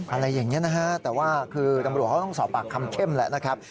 อะไรอย่างนี้นะฮะแต่ว่าคือตำรวจเขาต้องสอบปากคำเข้มแหละนะครับ